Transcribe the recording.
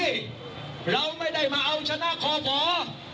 เราไม่ได้มาเอาชนะคอหมอ